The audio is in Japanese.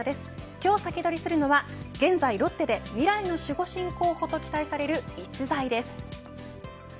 今日サキドリするのは現在、ロッテで未来の守護神候補と期待される逸材です。